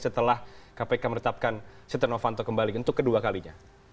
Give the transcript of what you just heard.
setelah kpk menetapkan sitornovanto kembali untuk kedua kalinya